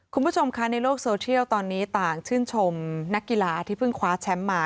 คุณผู้ชมคะในโลกโซเชียลตอนนี้ต่างชื่นชมนักกีฬาที่เพิ่งคว้าแชมป์มา